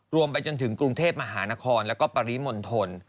ไปจนถึงกรุงเทพมหานครแล้วก็ปริมณฑล